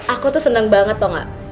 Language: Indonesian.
aku tuh seneng banget tau gak